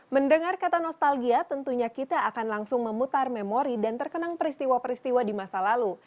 mendengar kata nostalgia tentunya kita akan langsung memutar memori dan terkenang peristiwa peristiwa di masa lalu